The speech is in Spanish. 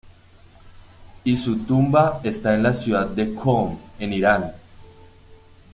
Y su tumba está en la ciudad de Qom, en Irán.